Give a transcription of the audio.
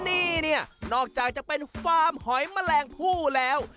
นี่เนี่ยนอกจากจะเป็นฟาร์มหอยแมลงผู้แล้ว